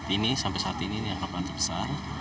ini sampai saat ini ini yang kapal yang terbesar